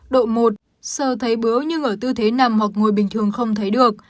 độ một sờ thấy bướu nhưng ở tư thế nằm hoặc ngồi bình thường không thấy được